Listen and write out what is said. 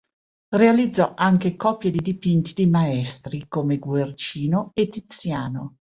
Realizzò anche copie di dipinti di maestri come Guercino e Tiziano.